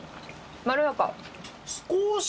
まろやか。